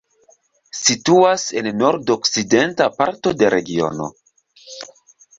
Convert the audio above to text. Situas en nordokcidenta parto de regiono.